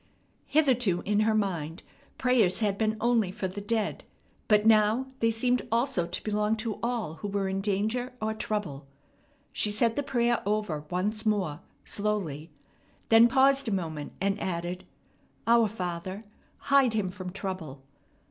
Hitherto in her mind prayers had been only for the dead, but now they seemed also to belong to all who were in danger or trouble. She said the prayer over once more, slowly, then paused a moment, and added: "Our Father, hide him from trouble.